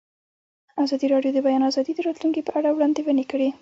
ازادي راډیو د د بیان آزادي د راتلونکې په اړه وړاندوینې کړې.